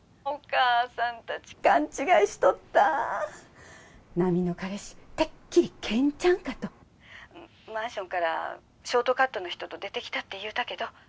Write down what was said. お母さん達勘違いしとった奈未の彼氏てっきり健ちゃんかと☎マンションからショートカットの人と出てきたって言うたけど